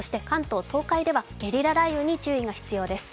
東海ではゲリラ雷雨に注意が必要です。